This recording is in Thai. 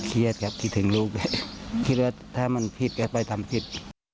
เครียดครับคิดถึงลูกเลยคิดว่าถ้ามันผิดก็ไปทำผิด